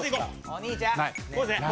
お兄ちゃん。